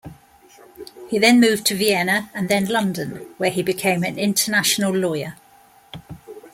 He then moved to Vienna, and then London, where he became an international lawyer.